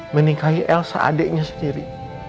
meningkahi elsa adiknya sendiri